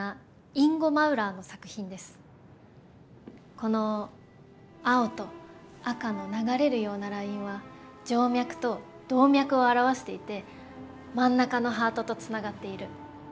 この青と赤の流れるようなラインは静脈と動脈を表していて真ん中のハートとつながっている。